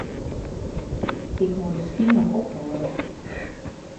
Hy koe de skyn noch ophâlde.